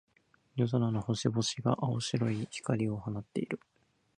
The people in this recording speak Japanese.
夜空の星々が、青白い光を放っている。